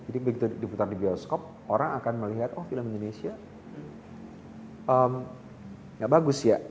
jadi begitu diputar di bioskop orang akan melihat oh film indonesia gak bagus ya